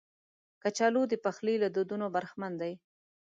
کچالو د پخلي له دودونو برخمن دي